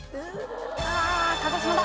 ああ鹿児島だ！